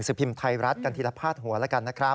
พิมพ์ไทยรัฐกันทีละพาดหัวแล้วกันนะครับ